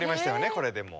これでもう。